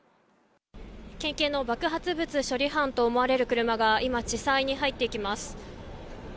県警の爆発物処理班と思われる車が今、地裁に入っていきます。